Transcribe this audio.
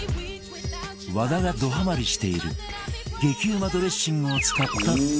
和田がどハマりしている激うまドレッシングを使ったサラダ